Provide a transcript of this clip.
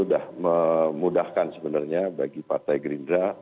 sudah memudahkan sebenarnya bagi partai gerindra